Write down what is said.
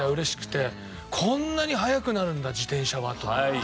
こんなに速くなるんだ自転車は！と思って。